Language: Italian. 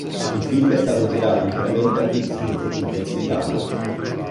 Il film è stato girato interamente a Pittsburgh in Pennsylvania.